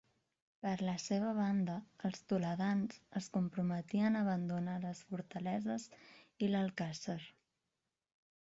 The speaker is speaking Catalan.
Per la seva banda, els toledans es comprometien a abandonar les fortaleses i l'alcàsser.